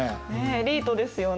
エリートですよね。